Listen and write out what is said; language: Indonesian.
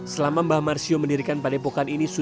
selama mbah marsio mendirikan padepokan ini